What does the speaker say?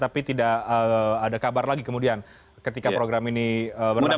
tapi tidak ada kabar lagi kemudian ketika program ini berlangsung